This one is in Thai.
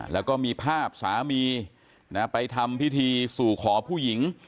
แล้วก็มีภาพสามีไปทำพิธีสู่ขอผู้หญิง